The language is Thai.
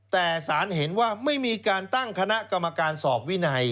แต่สารเห็นว่าไม่มีการตั้งคณะกรรมการสอบวินัย